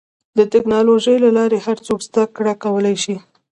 د ټکنالوجۍ له لارې هر څوک زدهکړه کولی شي.